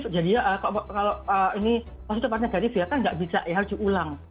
jadi kalau ini positif atau negatif biarkan nggak bisa ya harus diulang